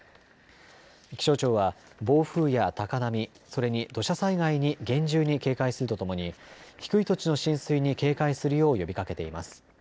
気象庁は暴風や高波、それに土砂災害に厳重に警戒するとともに低い土地の浸水に警戒するよう呼びかけています。